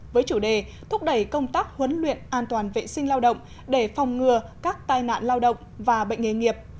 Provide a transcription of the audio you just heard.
với chủ đề thúc đẩy công tác huấn luyện an toàn vệ sinh lao động để phòng ngừa các tai nạn lao động và bệnh nghề nghiệp